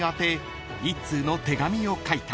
１通の手紙を書いた］